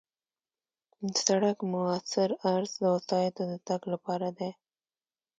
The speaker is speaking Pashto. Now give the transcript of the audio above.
د سړک موثر عرض د وسایطو د تګ لپاره دی